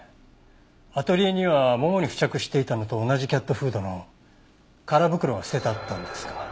アトリエにはももに付着していたのと同じキャットフードの空袋が捨ててあったんですが。